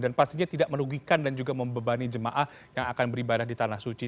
dan pastinya tidak merugikan dan juga membebani jemaah yang akan beribadah di tanah suci